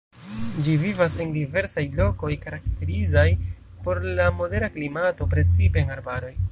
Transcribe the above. Ĝi vivas en diversaj lokoj karakterizaj por la modera klimato, precipe en arbaroj.